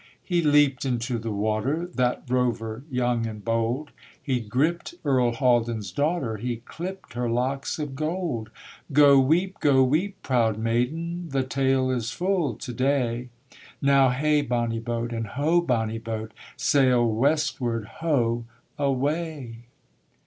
He leapt into the water, That rover young and bold; He gript Earl Haldan's daughter, He clipt her locks of gold: 'Go weep, go weep, proud maiden, The tale is full to day. Now hey bonny boat, and ho bonny boat! Sail Westward ho! away!'